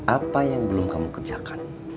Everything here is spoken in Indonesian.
apa yang belum kamu kerjakan